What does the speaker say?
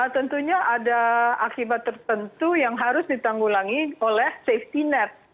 tentunya ada akibat tertentu yang harus ditanggulangi oleh safety net